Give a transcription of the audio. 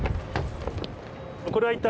これは一体？